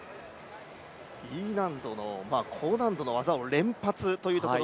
Ｅ難度の、高難度の技を連発というところ。